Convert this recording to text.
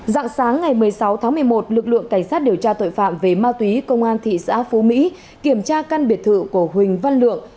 dạng sáng ngày một mươi sáu tháng một mươi một lực lượng cảnh sát điều tra tội phạm về ma túy công an thị xã phú mỹ kiểm tra căn biệt thự của huỳnh văn lượng